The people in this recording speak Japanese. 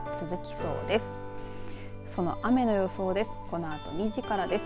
その雨の予想です。